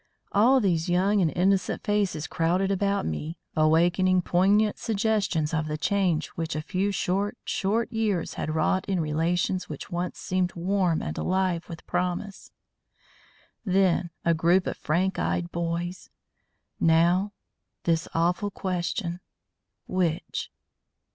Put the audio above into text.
All these young and innocent faces crowded about me, awakening poignant suggestions of the change which a few short, short years had wrought in relations which once seemed warm and alive with promise. Then, a group of frank eyed boys; now, this awful question: _which?